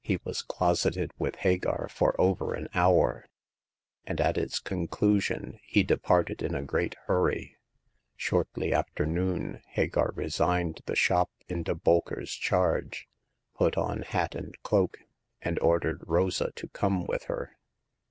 He was closeted with Hagar for The Second Customer. 77 over an hour, and at its conclusion he departed in a great hurry. Shortly after noon Hagar resigned the shop into Bolker*s charge, put on hat and cloak, and ordered Rosa to come with her.